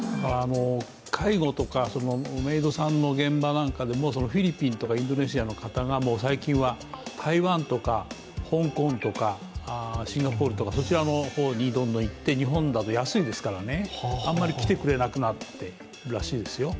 介護とかメイドさんの現場なんかでもフィリピンやインドネシアの方が最近は台湾とか香港とかシンガポールとか、そちらの方にどんどん行って、日本だと安いですからあまり来てくれなくなってるらしいですよ。